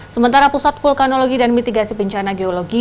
sementara pusat vulkanologi dan mitigasi bencana geologi